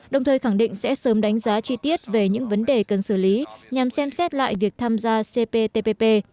đồng thời khẳng định sẽ sớm đánh giá chi tiết về những vấn đề cần xử lý nhằm xem xét lại việc tham gia cptpp